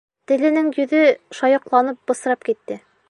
Теленең йөҙө шайыҡланып бысрап китте.